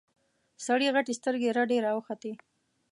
سړي غتې سترګې رډې راوختې.